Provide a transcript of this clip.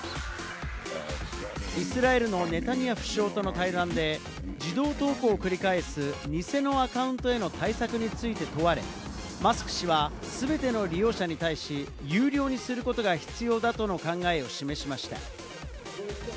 イスラエルのネタニヤフ首相との会談で、自動投稿を繰り返す偽のアカウントへの対策について問われ、マスク氏は全ての利用者に対し、有料にすることが必要だとの考えを示しました。